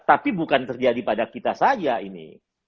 tapi bukan terjadi pada kita saja ini